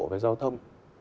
với giao thông